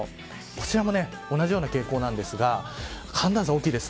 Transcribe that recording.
こちらも同じような傾向ですが寒暖差が大きいです。